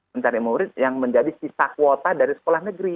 mencari murid yang menjadi sisa kuota dari sekolah negeri